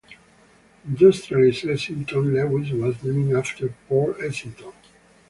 Industrialist Essington Lewis was named after Port Essington.